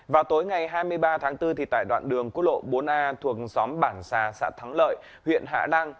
vào tối ngày hai mươi ba tháng bốn tại đoạn đường quốc lộ bốn a thuộc xóm bản xà xã thắng lợi huyện hạ lan